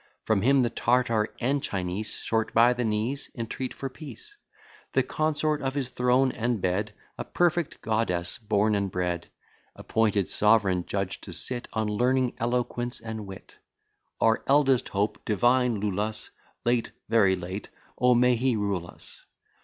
From him the Tartar and Chinese, Short by the knees, entreat for peace. The consort of his throne and bed, A perfect goddess born and bred, Appointed sovereign judge to sit On learning, eloquence, and wit. Our eldest hope, divine Iülus, (Late, very late, O may he rule us!)